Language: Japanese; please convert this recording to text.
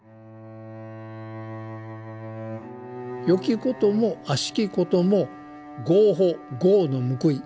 「よきこともあしきことも業報」業の報い。